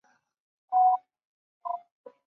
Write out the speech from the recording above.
他启动了很多星表课题项目。